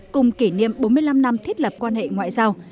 cùng kỷ niệm bốn mươi năm năm thiết lập quan hệ ngoại giao